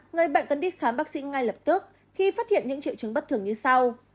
người bệnh cần đi khám bác sĩ ngay lập tức khi phát hiện những triệu chứng bất thường như sau